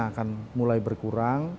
akan mulai berkurang